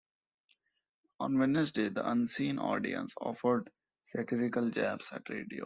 On Wednesday, "The Unseen Audience" offered satirical jabs at radio.